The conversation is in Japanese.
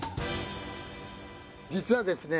実はですね